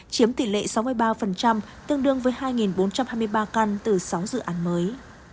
chiếm tỷ lệ sáu mươi ba tương đương với hai bốn trăm hai mươi ba căn từ sáu dự án mới